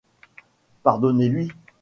Pardonnez-lui.